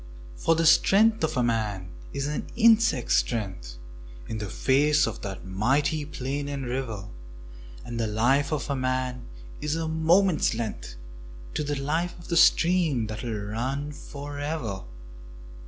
For the strength of man is an insect's strength In the face of that mighty plain and river, And the life of a man is a moment's length To the life of the stream that will run for ever.